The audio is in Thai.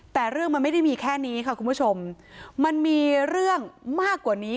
แต่เรื่องมันไม่ได้มีแค่นี้ค่ะคุณผู้ชมมันมีเรื่องมากกว่านี้